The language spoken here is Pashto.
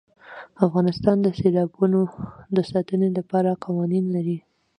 افغانستان د سیلابونه د ساتنې لپاره قوانین لري.